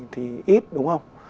thì ít đúng không